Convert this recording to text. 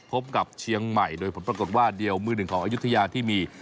พบกับเชียงใหม่โดยผลปรากฏว่าเดียวมือหนึ่งของอายุทยาที่มี